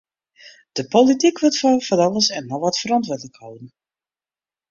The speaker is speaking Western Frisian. De polityk wurdt foar fan alles en noch wat ferantwurdlik holden.